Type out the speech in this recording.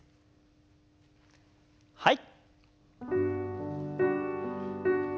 はい。